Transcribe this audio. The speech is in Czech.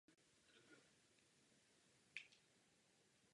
Nachází se na pravém břehu řeky Ležák.